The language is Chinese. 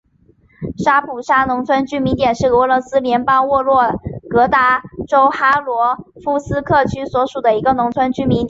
沙普沙农村居民点是俄罗斯联邦沃洛格达州哈罗夫斯克区所属的一个农村居民点。